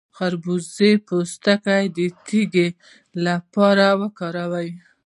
د خربوزې پوستکی د تیږې لپاره وکاروئ